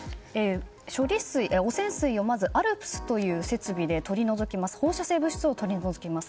汚染水をまずＡＬＰＳという設備で放射性物質を取り除きます。